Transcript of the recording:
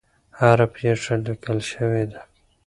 هره پېښه لیکل شوې ده.